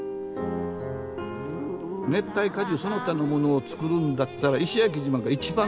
熱帯果樹その他のものを作るんだったら石垣島が一番